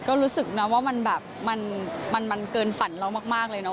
ก็รู้สึกว่ามันเกินฝันเรามากเลย